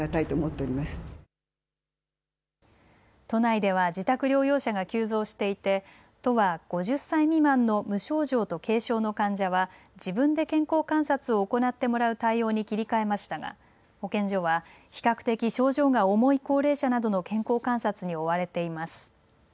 都内では自宅療養者が急増していて都は５０歳未満の無症状と軽症の患者は自分で健康観察を行ってもらう対応に切り替えましたが保健所は比較的症状が重い高齢者などの健康観察に追われています。